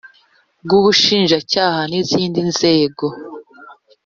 rw ubushinjacyaha n izindi nzego